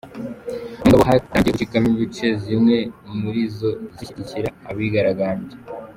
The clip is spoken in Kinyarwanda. Mu ngabo hatangiye gucikamo ibice, zimwe muri zo, zishyigikira abigaragambyaga.